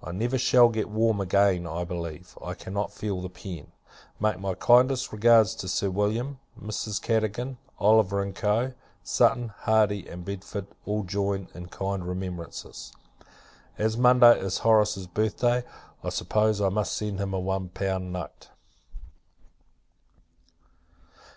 I never shall get warm again, I believe. I cannot feel the pen. Make my kindest regards to Sir William, Mrs. Cadogan, Oliver, &c. Sutton, Hardy, and Bedford, all join in kind remembrances. As Monday is Horace's birth day, I suppose I must send him a one pound note.